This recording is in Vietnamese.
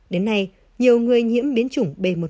đến nay nhiều người nhiễm biến chủng b một